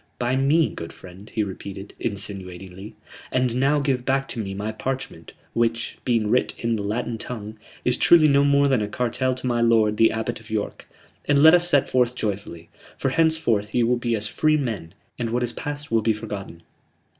By me, good friend," he repeated, insinuatingly. "And now give back to me my parchment which, being writ in the Latin tongue, is truly no more than a cartel to my lord the Abbot of York and let us set forth joyfully. For henceforth ye will be as free men, and what is past will be forgotten."